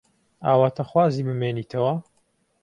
ئاواتەخوازی بمێنیتەوە؟